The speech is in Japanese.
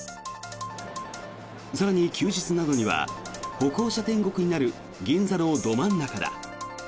更に休日などには歩行者天国になる銀座のど真ん中だ。